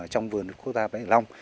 trong vườn quốc gia bãi lông